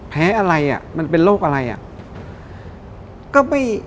แพ้อะไรมันเป็นโรคอะไร